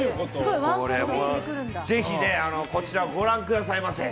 ぜひこちらもご覧くださいませ。